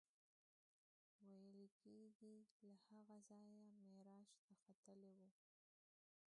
ویل کېږي له هغه ځایه معراج ته ختلی و.